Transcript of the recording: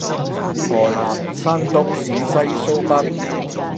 河南山東陝西蘇北